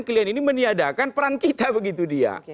kalian ini meniadakan peran kita begitu dia